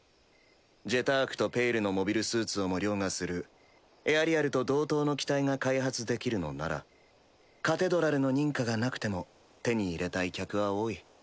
「ジェターク」と「ペイル」のモビルスーツをも凌駕するエアリアルと同等の機体が開発できるのならカテドラルの認可がなくても手に入れたい客は多い。